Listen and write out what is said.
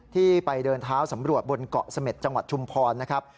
ที่ไปเดินเท้าสำรวจบนเกาะเสม็ดจังหวัดชุมพรนะครับ